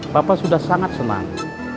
papa sudah sangat senang